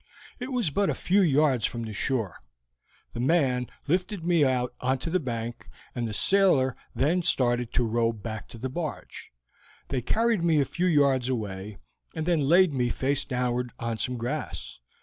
It was but a few yards from the shore. The man lifted me out onto the bank, and the sailor then started to row back to the barge; they carried me a few yards away, and then laid me face downwards on some grass.